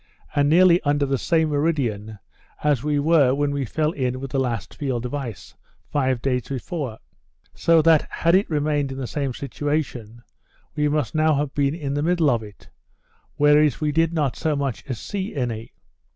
and nearly under the same meridian as we were when we fell in with the last field of ice, five days before; so that had it remained in the same situation, we must now have been in the middle of it, whereas we did not so much as see any.